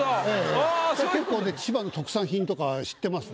結構ね千葉の特産品とか知ってますね。